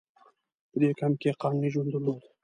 په دې کمپ کې یې قانوني ژوند درلود.